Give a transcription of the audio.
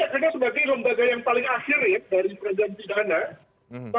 ya karena sebagai lembaga yang paling akhir ya